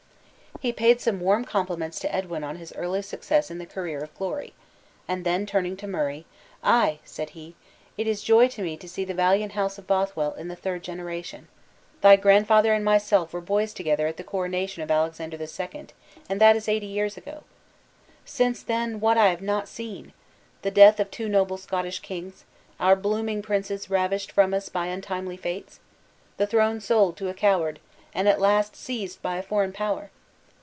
He paid some warm compliments to Edwin on his early success in the career of glory; and then turning to Murray: "Ay!" said he, "it is joy to me to see the valiant house of Bothwell in the third generation. Thy grandfather and myself were boys together at the coronation of Alexander the Second; and that is eighty years ago. Since then, what have I not seen! the death of two noble Scottish kings! our blooming princes ravished from us by untimely fates! the throne sold to a coward, and at last seized by a foreign power!